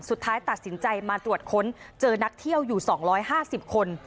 สุดท้ายตัดสินใจมาตรวจค้นเจอนักเที่ยวอยู่๒๕๐คน